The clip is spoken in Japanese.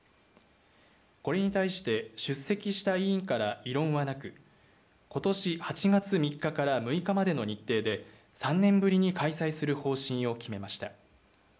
これに対して出席した委員から異論はなくことし８月３日から６日までの日程で３年ぶりに開催する方針を決めました。